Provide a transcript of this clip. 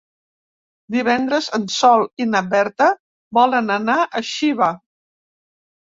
Divendres en Sol i na Berta volen anar a Xiva.